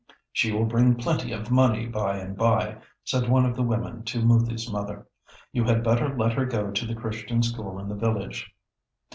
"She will bring plenty of money by and by," said one of the women to Moothi's mother. "You had better let her go to the Christian school in the village.